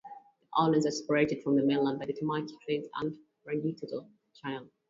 The islands are separated from the mainland by the Tamaki Strait and Rangitoto Channel.